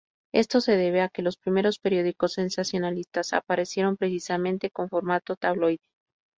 Esto se debe a que los primeros periódicos sensacionalistas aparecieron precisamente con formato tabloide.